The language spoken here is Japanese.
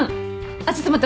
あっちょっと待って。